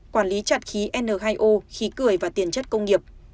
quản lý chặt khí n hai o khí cười và tiền chất công nghiệp